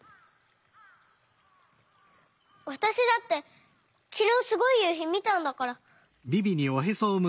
わたしだってきのうすごいゆうひみたんだから。